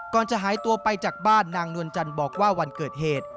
ก่อนจะหายตัวไปจากบ้านนางนวลจันทร์บอกว่าวันเกิดเหตุ